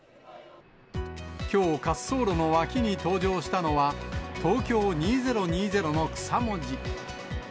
きょう、滑走路の脇に登場したのは、ＴＯＫＹＯ２０２０の草文字。